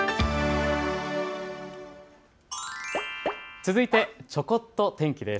続いて、ちょこっと天気です。